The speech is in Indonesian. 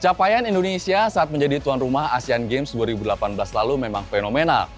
capaian indonesia saat menjadi tuan rumah asean games dua ribu delapan belas lalu memang fenomenal